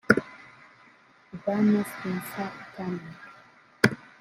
Bwana Spencer Tunick